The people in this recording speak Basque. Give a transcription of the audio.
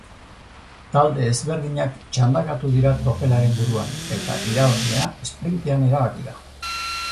Talde ezberdinak txandakatu dira tropelaren buruan, eta irabazlea esprintean erabaki da.